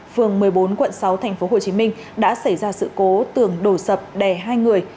phường một mươi bốn quận sáu tp hcm đã xảy ra sự cố tường đổ sập đè hai người